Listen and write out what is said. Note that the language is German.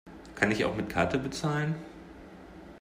Kann ich auch mit Karte bezahlen?